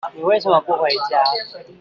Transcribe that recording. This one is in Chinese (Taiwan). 你為什麼不回家？